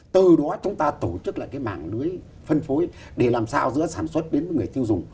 từ đó chúng ta tổ chức lại cái mảng lưới phân phối để làm sao giữa sản xuất đến với người tiêu dùng